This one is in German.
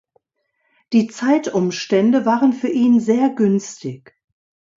Die Zeitumstände waren für ihn sehr günstig.